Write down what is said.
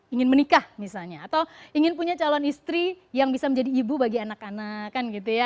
ingin menikah misalnya atau ingin punya calon istri yang bisa menjadi ibu bagi anak anak kan gitu ya